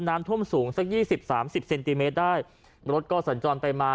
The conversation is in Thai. น้ำท่วมสูงสักยี่สิบสามสิบเซนติเมตรได้รถก็สัญจรไปมา